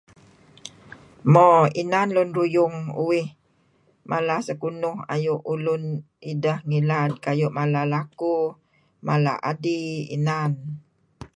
Mo inan lun ruyung uih mala sekunuh ayu' ulun idah ngilad kayu' mala lakuh mala adih inan.